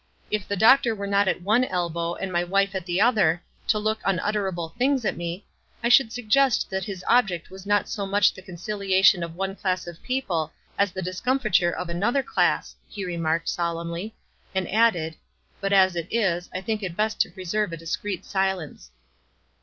" If the doctor were not at one elbow and my wife at the other, to look unutterable things at me, I should suggest that his object was not so much the conciliation of one class of people as the discomfiture of another class," he remarked, 266 WISE AND OTHERWISE. solemnly ; and added, " But as it is, I think it best to preserve a discreet silence."